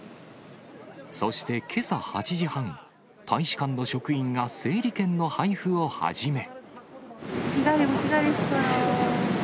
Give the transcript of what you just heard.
そしてけさ８時半、大使館の職員が整理券の配布を始め。